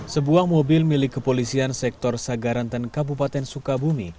sebuah mobil milik kepolisian sektor sagaranten kabupaten sukabumi